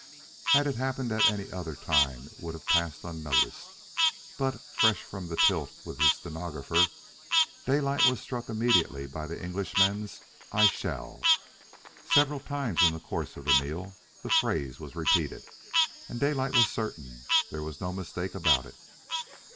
Had it happened any other time it would have passed unnoticed, but, fresh from the tilt with his stenographer, Daylight was struck immediately by the Englishman's I shall. Several times, in the course of the meal, the phrase was repeated, and Daylight was certain there was no mistake about it.